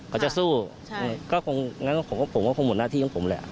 เขาจะสู้ใช่ก็คงงั้นผมก็คงหมดหน้าที่ของผมแหละ